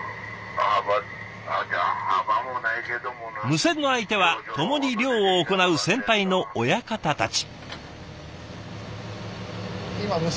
無線の相手は共に漁を行う先輩の親方たち。